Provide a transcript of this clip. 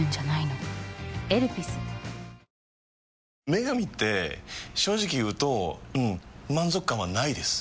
「麺神」って正直言うとうん満足感はないです。